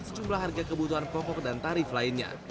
sejumlah harga kebutuhan pokok dan tarif lainnya